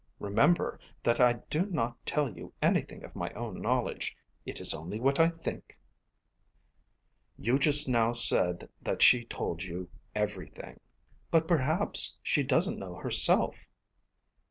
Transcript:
Remember that I do not tell you anything of my own knowledge. It is only what I think." "You just now said that she told you everything." "But perhaps she doesn't know herself."